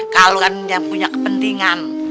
kalau kan yang punya kepentingan